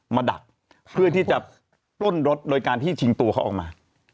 ดักเพื่อที่จะปล้นรถโดยการที่ชิงตัวเขาออกมา